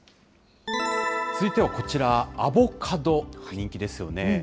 続いてはこちら、アボカド、人気ですよね。